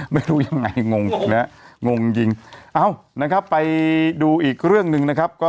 ไม่รู้ยังไงงงจริงไปดูอีกเรื่องหนึ่งนะครับ